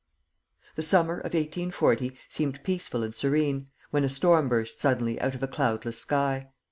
'" The summer of 1840 seemed peaceful and serene, when a storm burst suddenly out of a cloudless sky.